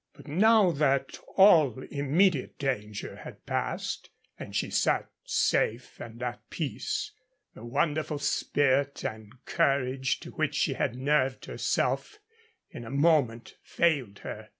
But now that all immediate danger had passed and she sat safe and at peace, the wonderful spirit and courage to which she had nerved herself in a moment failed her.